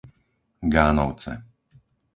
Gánovce